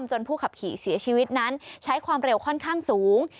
ผู้ขับขี่เสียชีวิตนั้นใช้ความเร็วค่อนข้างสูง